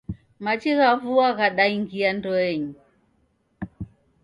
Machi gha vua ghadaingia ndoenyi